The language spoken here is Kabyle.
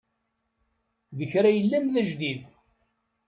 D kra yellan d ajdid.